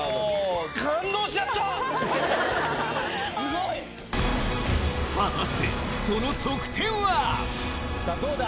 すごい！果たしてその得点はさぁどうだ？